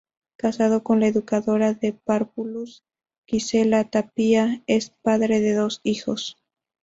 Casado con la educadora de párvulos Gisela Tapia, es padre de dos hijos.